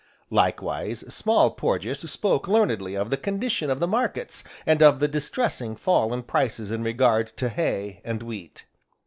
Likewise Small Porges spoke learnedly of the condition of the markets, and of the distressing fall in prices in regard to hay, and wheat.